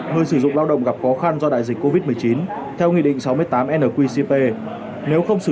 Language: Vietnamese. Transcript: người sử dụng lao động gặp khó khăn do đại dịch covid một mươi chín theo nghị định sáu mươi tám nqcp nếu không sử